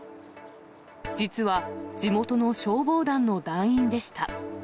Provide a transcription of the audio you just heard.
実は地元の消防団の団員でした。